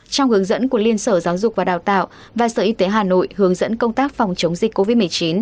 trong hướng dẫn của liên sở giáo dục và đào tạo và sở y tế hà nội hướng dẫn công tác phòng chống dịch covid một mươi chín